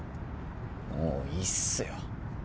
もういいっすよ